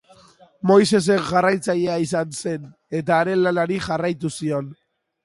Moisesen jarraitzailea izan zen, eta haren lanari jarraitu zion.